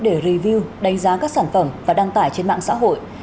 để review đánh giá các sản phẩm và đăng tải trên mạng xã hội